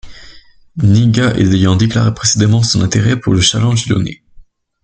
Ndinga ayant déclaré précédemment son intérêt pour le challenge lyonnais.